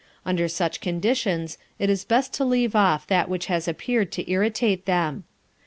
Under such conditions it is best to leave off that which has appeared to irritate them.